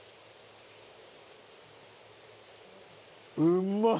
うんまっ！